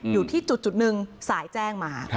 อยู่ที่จุดหนึ่งสายแจ้งมา